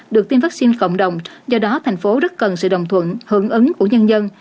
được tiêm vaccine cộng đồng do đó thành phố rất cần sự đồng thuận hưởng ứng của nhân dân